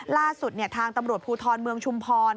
ล่าสุดทางตำรวจภูทรเมืองชุมพร